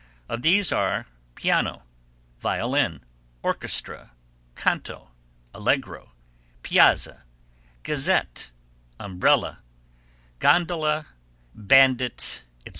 Of these are piano, violin, orchestra, canto, allegro, piazza, gazette, umbrella, gondola, bandit, etc.